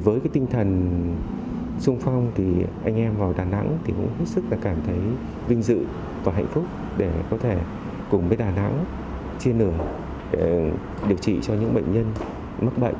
với tinh thần xung phong thì anh em vào đà nẵng cũng hết sức cảm thấy vinh dự và hạnh phúc để có thể cùng với đà nẵng chia nửa điều trị cho những bệnh nhân mất bệnh